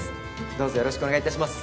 どうぞよろしくお願い致します。